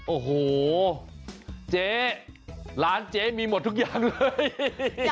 โอ้โหเจ๊ร้านเจ๊มีหมดทุกอย่างเลย